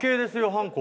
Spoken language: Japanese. はんこ